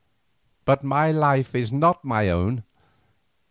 But my life is not my own.